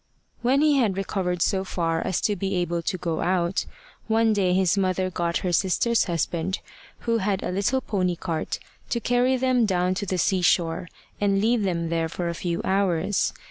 When he had recovered so far as to be able to go out, one day his mother got her sister's husband, who had a little pony cart, to carry them down to the sea shore, and leave them there for a few hours.